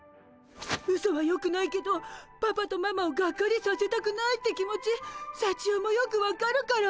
ウソはよくないけどパパとママをがっかりさせたくないって気持ちさちよもよく分かるから。